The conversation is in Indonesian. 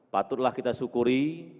patutlah kita syukuri